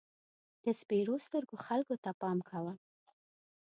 د سپېرو سترګو خلکو ته پام کوه.